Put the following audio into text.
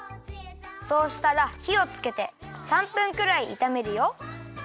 そうしたらひをつけて３分くらいいためるよ。